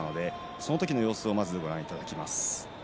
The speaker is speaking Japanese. その時の様子をご覧いただきます。